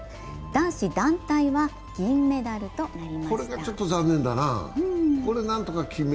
男子団体は銀メダルとなりました。